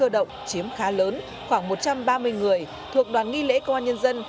cơ động chiếm khá lớn khoảng một trăm ba mươi người thuộc đoàn nghi lễ công an nhân dân